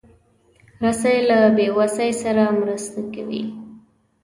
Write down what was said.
رسۍ له بېوسۍ سره مرسته کوي.